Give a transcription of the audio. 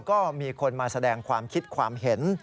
ก็มีคนมาแสดงความคิดความเห็น